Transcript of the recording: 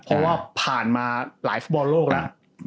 เพราะว่าผ่านมาหลายฟุตบอลโลกแล้ว